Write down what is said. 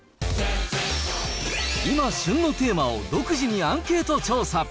今、旬のテーマを独自にアンケート調査。